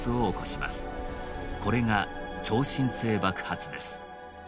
これが超新星爆発です